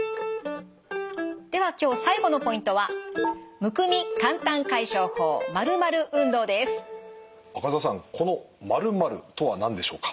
では今日最後のポイントは赤澤さんこの○○とは何でしょうか？